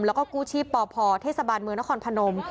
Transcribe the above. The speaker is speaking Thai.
แล้วก็กู้ชีพปพเทศบาลเมืองนครพนม